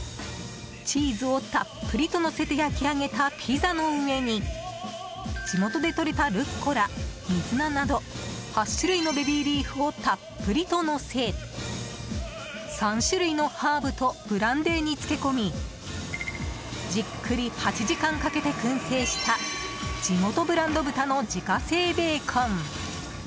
チーズをたっぷりとのせて焼き上げたピザの上に地元でとれたルッコラ、水菜など８種類のベビーリーフをたっぷりとのせ３種類のハーブとブランデーに漬け込みじっくり８時間かけて燻製した地元ブランド豚の自家製ベーコン。